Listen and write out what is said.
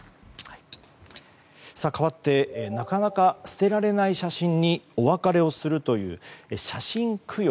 かわってなかなか捨てられない写真にお別れをするという写真供養。